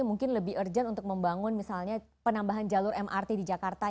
mungkin lebih urgent untuk membangun misalnya penambahan jalur mrt di jakarta